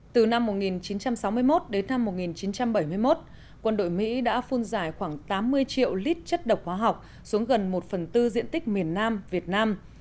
từ năm một nghìn chín trăm sáu mươi một đến năm một nghìn chín trăm bảy mươi một quân đội mỹ đã phun giải khoảng tám mươi triệu lít chất độc hóa học xuống gần một phần tư diện tích miền nam việt nam